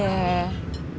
maaf aku bercanda